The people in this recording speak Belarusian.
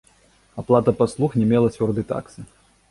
Аплата паслуг не мела цвёрдай таксы.